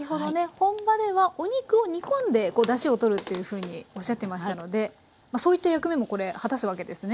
本場ではお肉を煮込んでだしをとるっていうふうにおっしゃってましたのでそういった役目も果たすわけですね。